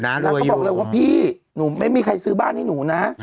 นางก็บอกเลยว่าพี่หนูไม่มีใครซื้อบ้านให้หนูนะ